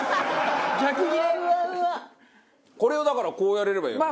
これをだからこうやれれば。